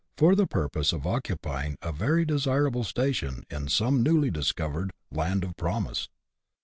for the purpose of occupying a very desirable station in some newly discovered " land of promise."